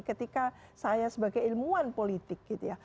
ketika saya sebagai ilmuwan politik gitu ya